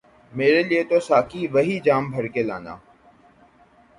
میرے لئے تو ساقی وہی جام بھر کے لانا